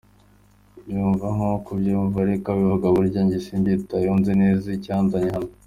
Mbyumva nk’uko ubyumva, ariko ababivuga burya njye simbitayeho, nzi neza icyanzanye hano…”.